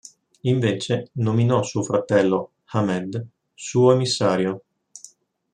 Invece, nominò suo fratello Ahmed, suo emissario.